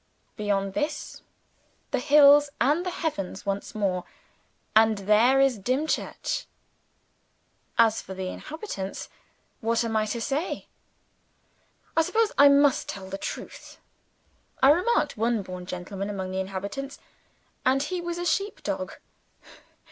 Beyond this, the hills and the heavens once more. And there is Dimchurch! As for the inhabitants what am I to say? I suppose I must tell the truth. I remarked one born gentleman among the inhabitants, and he was a sheep dog.